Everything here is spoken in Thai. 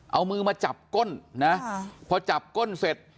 เอามือมาจับก้นนะพอจับก้นเสร็จ